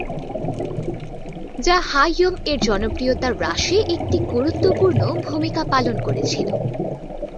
যা "হা-ইয়োম"-এর জনপ্রিয়তা হ্রাসে একটি গুরুত্বপূর্ণ ভূমিকা পালন করেছিলো।